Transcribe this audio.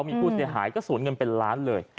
มีผู้เสียหายก็สูญเงินเป็นล้านเลย